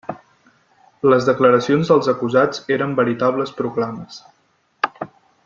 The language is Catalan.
Les declaracions dels acusats eren veritables proclames.